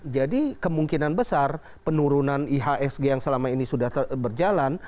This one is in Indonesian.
jadi kemungkinan besar penurunan ihsg yang selama ini sudah berjalan